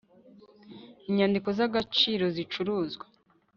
Inyandiko z agaciro zicuruzwa